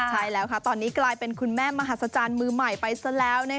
ใช่แล้วค่ะตอนนี้กลายเป็นคุณแม่มหัศจรรย์มือใหม่ไปซะแล้ว